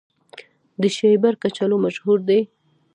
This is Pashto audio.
د شیبر کچالو مشهور دي